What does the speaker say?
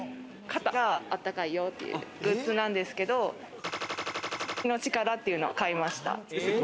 肩があったかいグッズなんですけど、のチカラっていうのを買いました。